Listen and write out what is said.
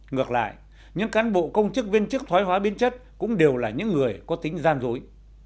ngược lại những cán bộ công chức viên chức thoái hóa biến chất cũng đều là những người có tính gian dối